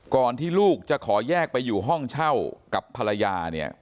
ที่ลูกจะขอแยกไปอยู่ห้องเช่ากับภรรยาเนี่ย